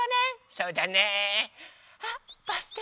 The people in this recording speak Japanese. そうだね！